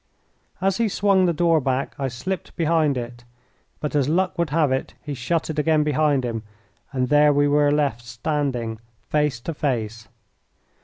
As he swung the door back I slipped behind it, but as luck would have it he shut it again behind him, and there we were left standing face to face.